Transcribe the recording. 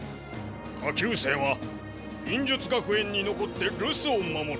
下級生は忍術学園にのこってるすを守る。